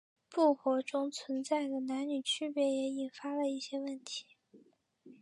部活中存在的男女区别已引发了一些问题。